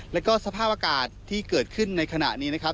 แล้วก็สภาพอากาศที่เกิดขึ้นในขณะนี้นะครับ